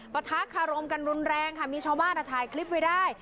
ประทะคารมกันรุนแรงค่ะมีชาวบ้านถ่ายคลิปไว้ได้